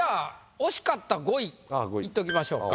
惜しかった５位いっときましょうか。